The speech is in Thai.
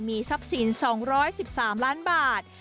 มีทรัพย์สิน๒๑๓ล้านบาท